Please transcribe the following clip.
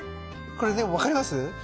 これね分かります？